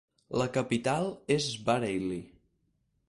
La capital és Bareilly.